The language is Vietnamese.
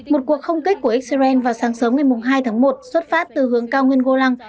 một cuộc không kích của israel vào sáng sớm ngày hai tháng một xuất phát từ hướng cao nguyên golang